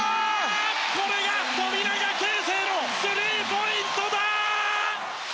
これが富永啓生のスリーポイントだ！